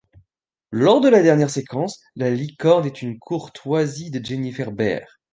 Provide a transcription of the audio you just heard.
Lors de la dernière séquence, la licorne est une courtoisie de Jennifer Berh.